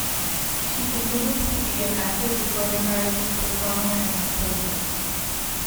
She continues to be an active recording artist, performer and composer.